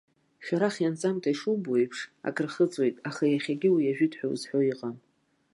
Шәарах ианҵамҭа ишубо, еиԥш, акрахыҵуеит, аха иахьагьы уи ажәит ҳәа узҳәо иҟам.